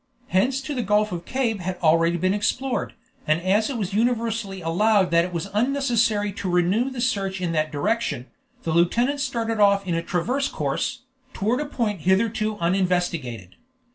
Hence to the Gulf of Cabes had been already explored, and as it was universally allowed that it was unnecessary to renew the search in that direction, the lieutenant started off in a transverse course, towards a point hitherto uninvestigated.